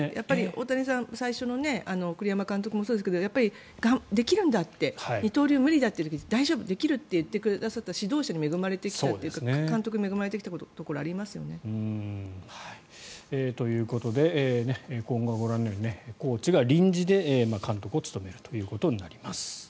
大谷さん、最初の栗山監督もそうですがやっぱりできるんだって二刀流無理だという時に大丈夫、できると言ってくださった指導者に恵まれた監督に恵まれてきたところはありますよね。ということで、今後はご覧のようにコーチが臨時で監督を務めるということになります。